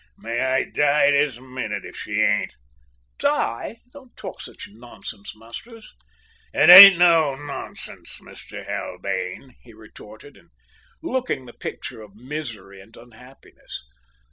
May I die this minute if she ain't!" "Die! don't talk such nonsense, Masters." "It ain't no nonsense, Master Haldane," he retorted, and looking the picture of misery and unhappiness.